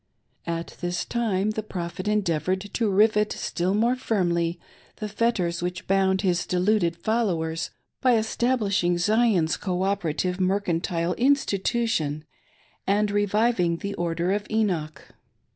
At this time the Prophet endeav®red to rivet still more firmly the fetters which bound his dduded followers, by establishing " Zion's Cooperative Mercantile Institution " and reviving the " Oi^er of Enoch."